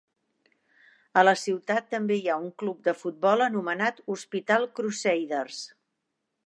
A la ciutat també hi ha un club de futbol anomenat Hospital Crusaders.